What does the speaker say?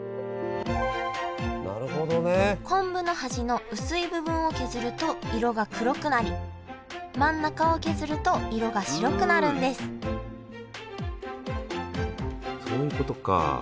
昆布の端の薄い部分を削ると色が黒くなり真ん中を削ると色が白くなるんですそういうことか。